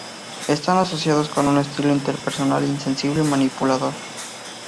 Están asociados con un estilo interpersonal insensible-manipulador.